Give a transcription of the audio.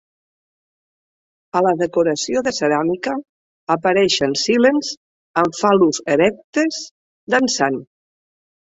A la decoració de ceràmica apareixen silens amb fal·lus erectes dansant.